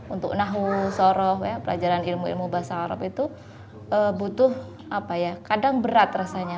untuk nahwu soroh pelajaran ilmu ilmu bahasa arab itu butuh apa ya kadang berat rasanya